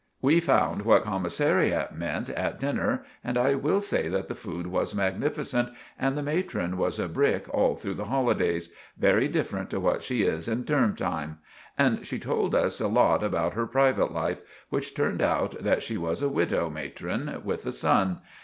We found what 'comissariat' ment at dinner, and I will say that the food was magnificent, and the Matron was a brick all through the holidays—very diffrent to what she is in term time; and she told us a lot about her private life, which turned out that she was a widow Matron with a son.